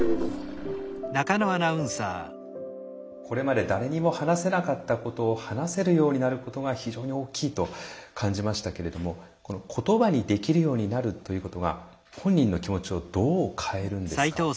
これまで誰にも話せなかったことを話せるようになることが非常に大きいと感じましたけれども言葉にできるようになるということが本人の気持ちをどう変えるんですか？